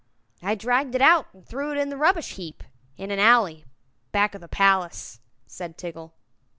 "I dragged it out and threw it on the rubbish heap, in an alley back of the palace," said Tiggle.